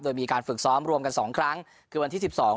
โดยมีการฝึกซ้อมรวมกันสองครั้งคือวันที่สิบสอง